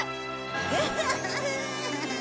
ウフフフ。